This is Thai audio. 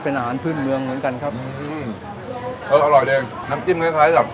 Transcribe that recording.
เป็นอาหารพืชเมืองเหมือนกันครับอืมเอออร่อยดีน้ำจิ้มคล้ายคล้ายกับ